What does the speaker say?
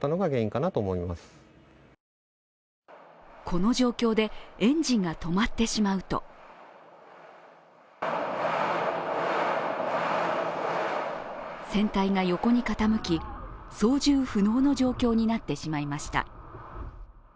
この状況でエンジンが止まってしまうと船体が横に傾き、操縦不能の状況になってしまいました。